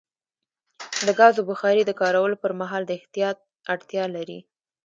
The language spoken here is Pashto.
د ګازو بخاري د کارولو پر مهال د احتیاط اړتیا لري.